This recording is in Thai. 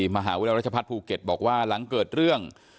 มหาวิทยารัชพัฒน์ภูเก็ตบอกว่าหลังเกิดเรื่อง